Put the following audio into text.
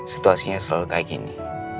situasinya selalu kayak gini